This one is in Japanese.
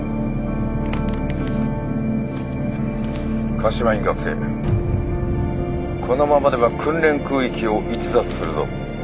柏木学生このままでは訓練空域を逸脱するぞ。